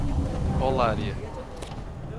Olaria